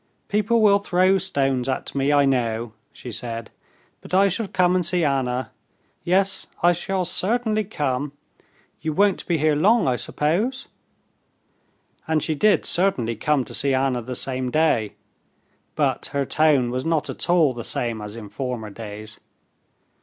"People will throw stones at me, I know," she said, "but I shall come and see Anna; yes, I shall certainly come. You won't be here long, I suppose?" And she did certainly come to see Anna the same day, but her tone was not at all the same as in former days.